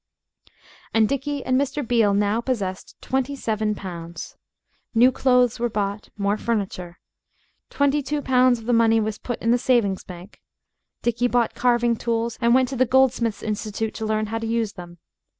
And Dickie and Mr. Beale now possessed twenty seven pounds. New clothes were bought more furniture. Twenty two pounds of the money was put in the savings bank. Dickie bought carving tools and went to the Goldsmiths' Institute to learn to use them.